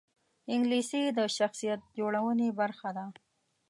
انګلیسي د شخصیت جوړونې برخه ده